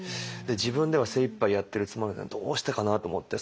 自分では精いっぱいやってるつもりなのにどうしてかなと思って。